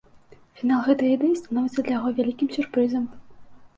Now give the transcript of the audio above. Фінал гэтай ідэі становіцца для яго вялікім сюрпрызам.